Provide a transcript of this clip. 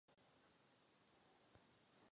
Roztok by se také měl uchovávat při stabilní teplotě.